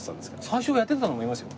最初はやってたと思いますよ。